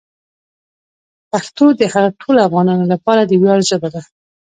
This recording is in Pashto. پښتو د هغو ټولو افغانانو لپاره د ویاړ ژبه ده.